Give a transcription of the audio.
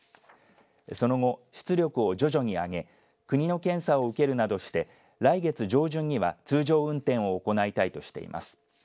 その後、出力を徐々に上げ国の検査を受けるなどして来月上旬には通常運転を行いたいとしています。